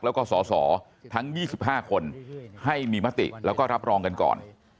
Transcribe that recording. การบุริหารพักษ์แล้วก็ส่อทั้ง๒๕คนให้มีมติแล้วก็รับรองกันก่อน